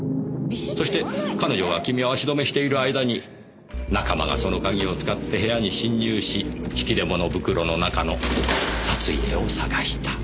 そして彼女がキミを足止めしている間に仲間がその鍵を使って部屋に侵入し引き出物袋の中の札入れを捜した。